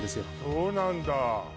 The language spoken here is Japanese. そうなんだ